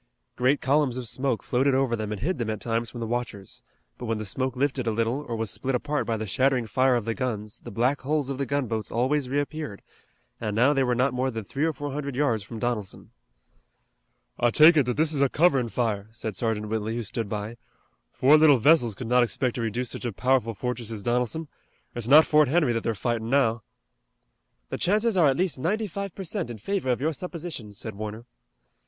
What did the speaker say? Great columns of smoke floated over them and hid them at times from the watchers, but when the smoke lifted a little or was split apart by the shattering fire of the guns the black hulls of the gunboats always reappeared, and now they were not more than three or four hundred yards from Donelson. "I take it that this is a coverin' fire," said Sergeant Whitley, who stood by. "Four little vessels could not expect to reduce such a powerful fortress as Donelson. It's not Fort Henry that they're fightin' now." "The chances are at least ninety five per cent in favor of your supposition," said Warner.